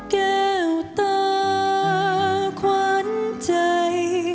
แก้วตาขวัญใจ